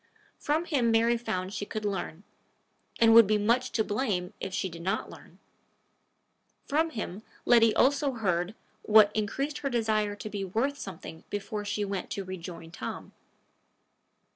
From him Mary found she could learn, and would be much to blame if she did not learn. From him Letty also heard what increased her desire to be worth something before she went to rejoin Tom.